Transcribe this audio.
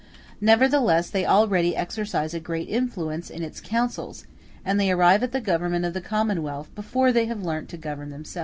Nevertheless, they already exercise a great influence in its councils; and they arrive at the government of the commonwealth before they have learnt to govern themselves.